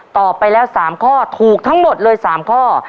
ต่อไปแล้วสามข้อถูกทั้งหมดเลยสามข้อ